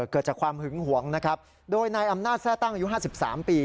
เกิดจากความหึงหวงนะครับโดยนายอำนาจแทร่ตั้งอายุ๕๓ปี